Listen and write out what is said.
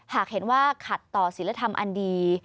หากเห็นว่าขัดต่อศิลธรรมอันดี